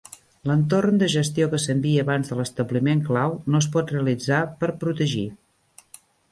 L'entorn de gestió que s'envia abans de l'establiment clau no es pot realitzar per protegir.